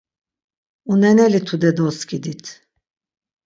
Uneneli tude doskidit!